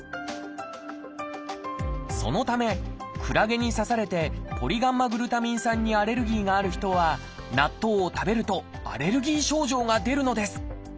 そのためクラゲに刺されてポリガンマグルタミン酸にアレルギーがある人は納豆を食べるとアレルギー症状が出るのです。